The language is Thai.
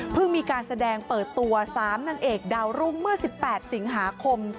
มีการแสดงเปิดตัว๓นางเอกดาวรุ่งเมื่อ๑๘สิงหาคม